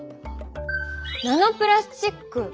ナノプラスチック。